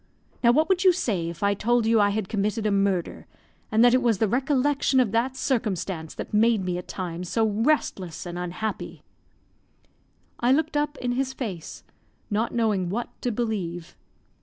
Now what would you say if I told you I had committed a murder, and that it was the recollection of that circumstance that made me at times so restless and unhappy?" I looked up in his face, not knowing what to believe.